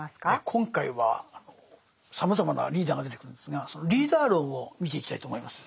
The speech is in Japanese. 今回はさまざまなリーダーが出てくるんですがそのリーダー論を見ていきたいと思います。